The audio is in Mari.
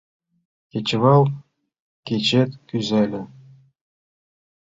Кечывал кечет кӱзале -